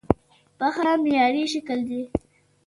پښه معیاري شکل دی.